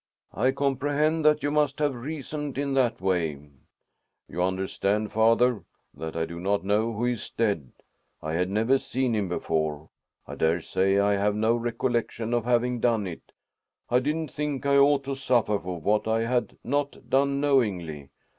"I comprehend that you must have reasoned in that way." "You understand, father, that I do not know who is dead. I had never seen him before, I dare say. I have no recollection of having done it. I didn't think I ought to suffer for what I had not done knowingly.